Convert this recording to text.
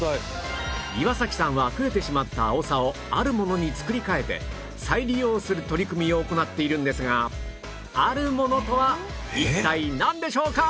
岩崎さんは増えてしまったアオサをあるものに作り替えて再利用する取り組みを行っているんですがあるものとは一体なんでしょうか？